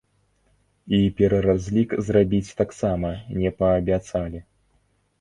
І пераразлік зрабіць таксама не паабяцалі.